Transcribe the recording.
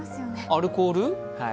アルコール？